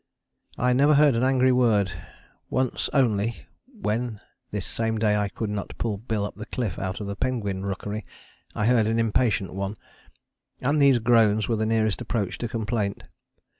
I never heard an angry word: once only (when this same day I could not pull Bill up the cliff out of the penguin rookery) I heard an impatient one: and these groans were the nearest approach to complaint.